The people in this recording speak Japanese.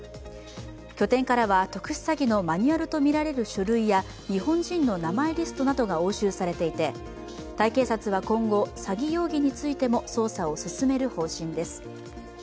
拠点からは特殊詐欺のマニュアルとみられる書類や日本人の名前リストなどが押収されていて、タイ警察は今後、詐欺容疑についても捜査を進める方針です。